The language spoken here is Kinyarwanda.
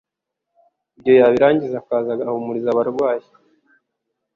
Ibyo yabirangiza akaza agahumuriza abarwayi,